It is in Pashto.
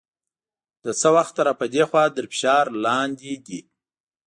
له څه وخته را په دې خوا تر فشار لاندې دی.